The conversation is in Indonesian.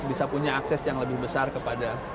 bisa punya akses yang lebih besar kepada